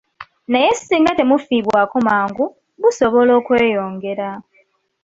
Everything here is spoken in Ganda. Naye singa tebufiibwako mangu, busobola okweyongera.